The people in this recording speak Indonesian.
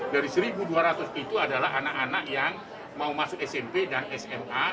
dari satu dua ratus itu adalah anak anak yang mau masuk smp dan sma